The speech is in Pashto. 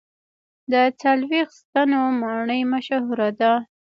د څلوېښت ستنو ماڼۍ مشهوره ده.